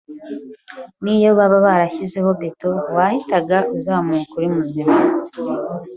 niyo baba barashyizeho betto wahitaga uzamuka uri muzima